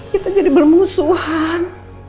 kita jadi bermusuhan